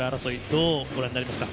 どうご覧になりますか？